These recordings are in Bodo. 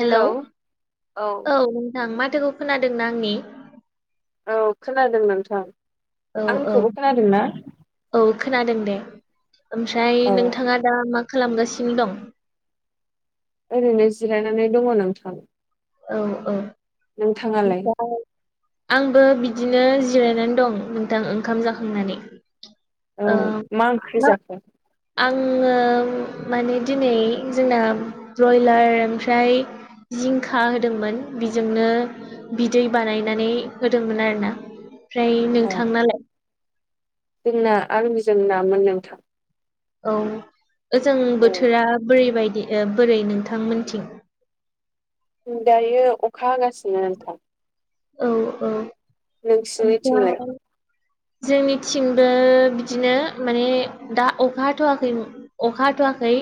हेलौ औ नोंथां माथोखौ खोनादों ना आंनि औ खोनादों नोंथां। औ औ आंनिखौबो खोनादों ना औ खोनादों दे ओमफ्राय औ नोंथाङा दा मा खालामगासिनो दं? ओरैनो जिरायनानै दङ नोंथां। औ औ नोंथाङालाय ओफ्राय आंबो बिदिनो जिरायनानै दं नोंथां ओंखाम जाखांनानै औ मा ओंख्रि जाखो? आंङो माने दिनै जोंना ब्रयलार ओमफ्राय जिंखा होदोंमोन बेजोंनो बिदै बानायनानै होदोंमोन आरोना ओमफ्राय औ नोंथांनालाय? जोंना आरमिजों नामोन नोंथां औ ओजों औ बोथोरा बोरैबायदि बोरै नोंथांमोनथिं। दायो अखा हागासिनो नोंथां औ औ नोंसिनिथिंलाय ओमफ्राय जोंनिथिंबो बिदिनो माने दा अखा हाथ'वाखै अखा हाथ'वाखै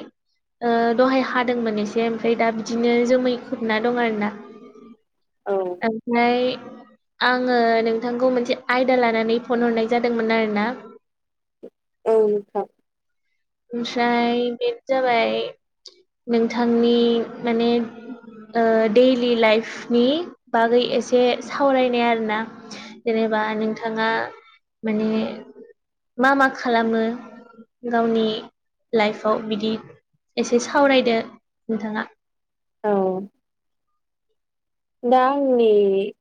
ओ दहाय हादोंमोन एसे ओमफ्राय दा बिदिनो जोमै खोबना दं आरो ना औ ओमफ्राय आंङो नोंथांखौ मोनसे आयदा लानानै फन हरनाय जादोंमोन आरो ना औ नोंथां ओमफ्राय बेनो जाबाय नोंथांनि माने ओ दैडलि लाइफनि बागै एसे सावरायनाय आरोना जेनेबा नोंथांङा माने मा मा खालामो गावनि लाइफआव बिदि एसे सावरायदो नोंथाङा। औ। दा आंनि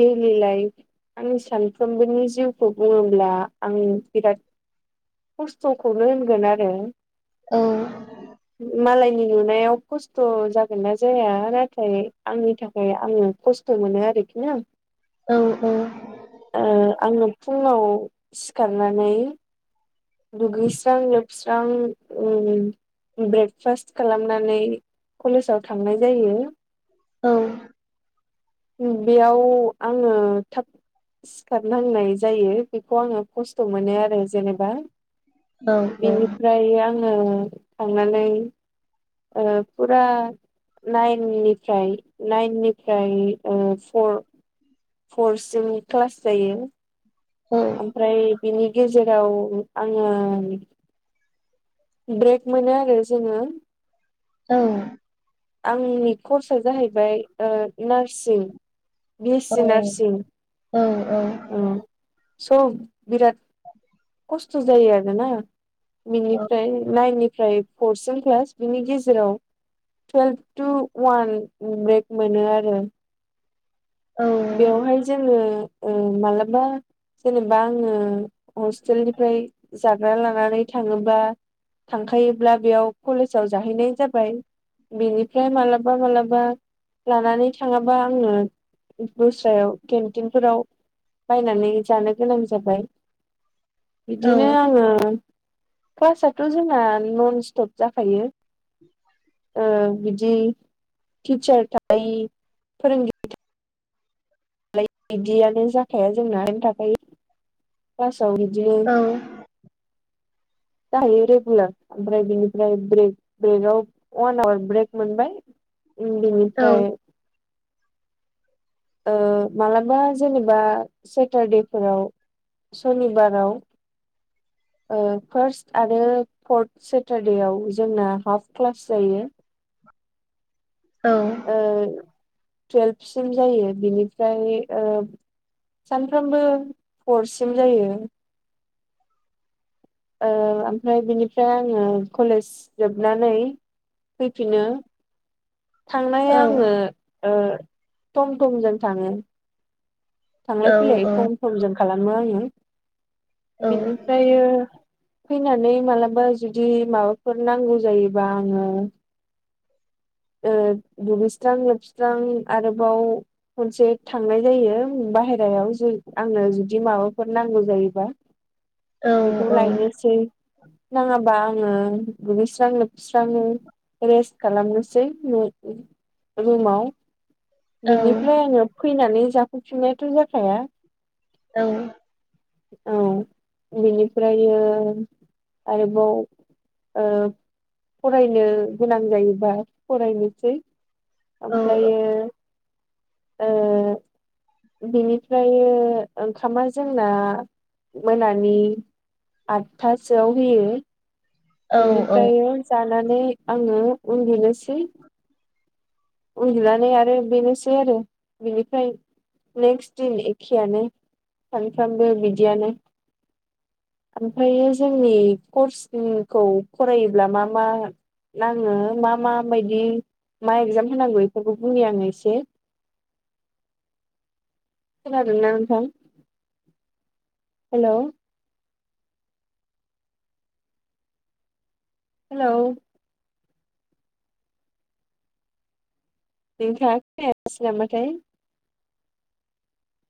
डेलि लइफ आंनि सानफ्रोमबोनि जिउखौ बुङोब्ला आं बिराद खस्थ'खौनो होनगोन आरो औ मालाय नि नुनायाव खस्थ' जागोन ना जाया नाथाय आंनि थाखाय खाय आङो खस्थ' मोनो आरोखि ना औ औ। ओ आङो फुङाव सिखारनानै दुगैस्रां लोबस्रां ओ ब्रेकफास्ट खालामनानै कलेजाव थांनाय जायो औ बेयाव आङो थाब सिखारनांनाय जायो बेखौ आङो खस्थ' मोनो आरो जेनेबा औ औ बेनिफ्राय आङो थांनानै ओं फुरा नाइन निफ्राय नाइन निफ्राय ओ फर फरसिम क्लास जायो औ। ओमफ्राय बिनि गेजेराव आङो ब्रेक मोनो आरो जोङो औ आंनि कर्स जाहैबाय ओ नार्सिं बि एस औ सि नार्सिं औ स' बिराद [inaudible] खस्थ' जायो आरोना औ बिनिफ्राय नाइन निफ्राय फरसिं क्लास बिनि गेजेराव। टुवेल्भ टु वान ब्रेक मोनो आरो। औ बेवहाय जोङो ओ मालाबा जेनेबा आङो हस्टेलनिफ्राय जाग्रा लानानै थाङोबा थांखायोब्ला बेयाव कलेजाव जाहैनाय जाबाय बिनिफ्राय माबलाबा माबलाबा लानानै थाङाबा आङो दस्रायाव केन्टिनफोराव बायनानै जानो गोनां जाबाय बिदिनो औ औ आङो क्लासाथ' जोंना नन स्टप जाखायो [inaudible] ओ बिदि टितचार थायो फोरोंगिरि बिदियानो जाखाया जोंना ओरैनो थाखायो क्लासाव बिदिनो औ जाहायो रेगुलार ओमफ्राय बिनिफ्राय ब्रेक ब्रेकआव वान आवार ब्रेक मोनबाय बेनिफ्राय औ ओ मालाबा जेनेबा सेटारडे फोराव सनिबाराव ओ फार्स्ट आरो फर्थ सेटारडेआव जोंना हाफ क्लास जायो। औ ओ टुवेल्भसिम जायो बिनिफ्राय ओ सानफ्रामबो हरसिम जायो। ओ ओमफ्राय बिनिफ्राय आङो कलेज जोबनानै फैफिनो थांनाया आंङो ओ थम थमजों थांङो थांलाय फैलाय थम थमजों खालामो आंङो बिनिफ्रायो फैनानै मालाबा जुदि माबाफोर नांगौ जायोबा आंङो ओ दुलैस्रां लोबस्रां आरोबाव खनसे थांनाय जायो। बाहेरायाव आंनो जुदि माबाफोर नांगौ जायोबा। बेखौ लायनोसै नाङाबा आंङो दुगैस्रां लोबस्रा रेस्ट खालामनोसै रुमाव बेनिफ्राय आंङो फैनानै जाफैफिननायाथ' जाखाया। औ औ बेनिफ्रायो आरोबाव ओ फरायनो गोनां जायोबा फरायनोसै ओमफ्रायो ओ बिनिफ्राय ओंखामा जोंना मोनानि आदथासोआव होयो। औ औ बेनिफ्रायो जानानै आंङो उन्दनोसै उन्दनानै आरो बेनोसै आरो बेनिफ्राय नेक्स्ट दिन एखियानो सानफ्रोमबो बिदियानो ओमफ्रायायो जोंनि कर्सिंखौ फरायोब्ला मा मा नाङो मा मा मायदि मा एक्जाम होनांगौ बेफोरखौ बुंनि आंङो एसे खोनादोंना नोंथां हेल' हेलौ नोंथांङा खोनायासै नामाथायाय